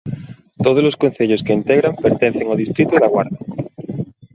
Tódolos concellos que a integran pertencen ao Distrito da Guarda.